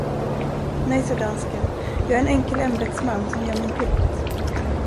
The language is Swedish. Nej, sade dansken, jag är en enkel ämbetsman, som gör min plikt.